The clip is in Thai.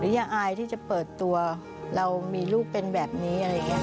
อย่าอายที่จะเปิดตัวเรามีลูกเป็นแบบนี้